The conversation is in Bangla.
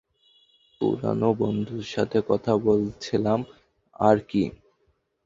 পুরানো বন্ধুর সাথে কথা বলছিলাম আরকি।